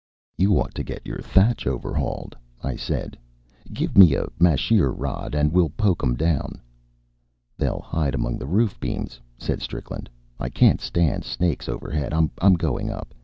"You ought to get your thatch over hauled," I said. "Give me a masheer rod, and we'll poke 'em down." "They'll hide among the roof beams," said Strickland. "I can't stand snakes overhead. I'm going up.